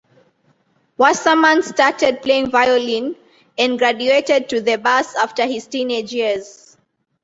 Wasserman started playing violin, and graduated to the bass after his teenage years.